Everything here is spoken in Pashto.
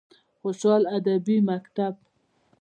خوشحال ادبي مکتب: